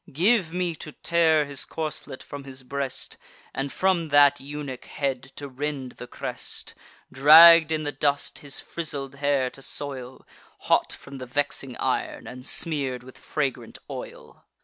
Give me to tear his corslet from his breast, And from that eunuch head to rend the crest; Dragg'd in the dust, his frizzled hair to soil, Hot from the vexing ir'n, and smear'd with fragrant oil!"